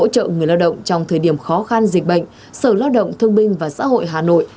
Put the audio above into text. trong thời điểm khó khăn dịch bệnh sở lao động thương binh và xã hội hà nội